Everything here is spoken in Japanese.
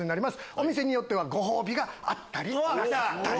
お店によってはご褒美があったりなかったり。